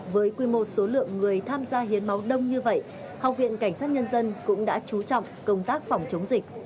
với quy mô số lượng người tham gia hiến máu đông như vậy học viện cảnh sát nhân dân cũng đã chú trọng công tác phòng chống dịch